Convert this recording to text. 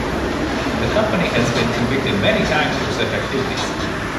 The company has been convicted many times for such activities.